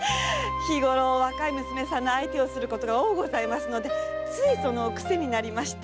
日ごろ若い娘さんの相手をすることが多ございますのでつい癖になりまして。